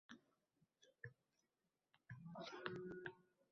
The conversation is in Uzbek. Aslida, Markaziy bankning loyihaga munosabati hozircha e'lon qilinmagan